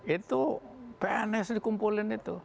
itu pns dikumpulin itu